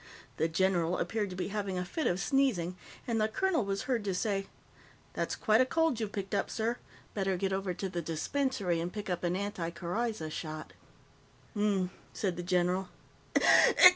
The general appeared to be having a fit of sneezing, and the colonel was heard to say: "That's quite a cold you've picked up, sir. Better get over to the dispensary and take an anti coryza shot." "Mmmf," said the general.